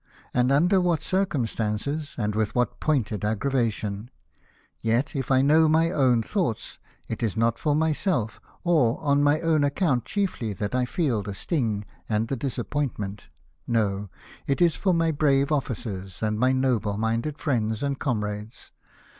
And under what circumstances, and with what pointed aggravation ! Yet, if I know my own thoughts, it is not for myself, or on my own account chiefly, that I feel the sting 284 . LIFE OF NELSON. and the disappointment. No ! it is for my brave officers for my noble minded friends and comrades.